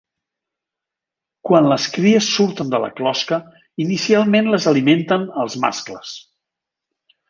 Quan les cries surten de la closca, inicialment les alimenten els mascles.